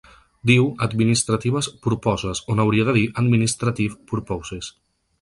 Diu ‘administratives purposes’ on hauria de dir ‘administrative purposes’.